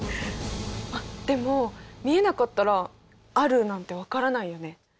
あっでも見えなかったらあるなんて分からないよね？